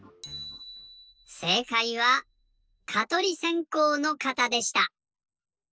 せいかいはかとりせんこうの型でした。